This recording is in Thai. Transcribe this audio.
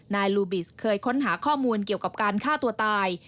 ลูบิสเคยค้นหาข้อมูลเกี่ยวกับการฆ่าตัวตาย